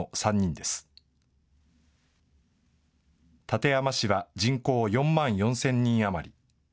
館山市は人口４万４０００人余り。